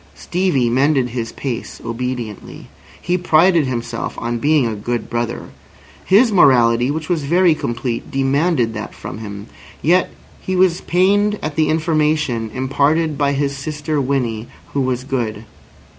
Stevie mended his pace obediently. He prided himself on being a good brother. His morality, which was very complete, demanded that from him. Yet he was pained at the information imparted by his sister Winnie who was good.